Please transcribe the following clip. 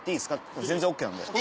って全然ＯＫなんで。